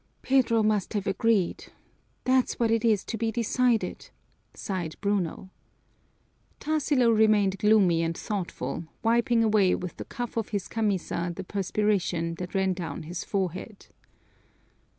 "Pedro must have agreed. That's what it is to be decided," sighed Bruno. Tarsilo remained gloomy and thoughtful, wiping away with the cuff of his camisa the perspiration that ran down his forehead.